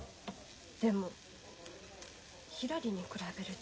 でもひらりに比べると。